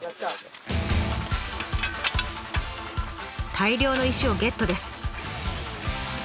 大量の石をゲットです。